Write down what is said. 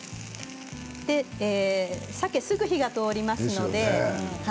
さけはすぐに火が通りますので。